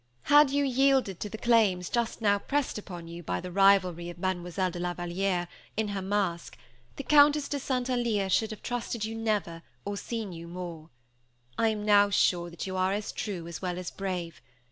Had you yielded to the claims just now pressed upon you by the rivalry of Mademoiselle de la Valière, in her mask, the Countess de St. Alyre should never have trusted or seen you more. I now am sure that you are true, as well as brave.